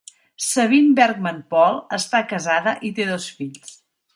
Sabine Bergmann-Pohl està casada i té dos fills.